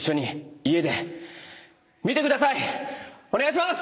お願いします！